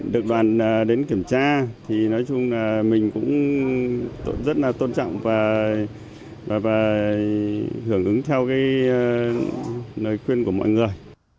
được đoàn đến kiểm tra thì nói chung là mình cũng rất là tôn trọng và hưởng ứng theo lời khuyên của mọi người